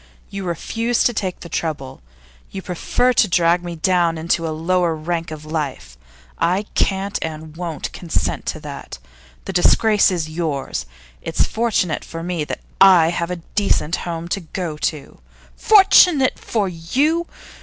You refuse to take the trouble; you prefer to drag me down into a lower rank of life. I can't and won't consent to that. The disgrace is yours; it's fortunate for me that I have a decent home to go to.' 'Fortunate for you!